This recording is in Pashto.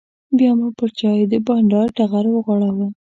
بیا مو پر چایو د بانډار ټغر وغوړاوه.